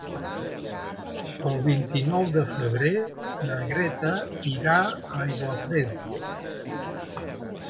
El vint-i-nou de febrer na Greta irà a Aiguafreda.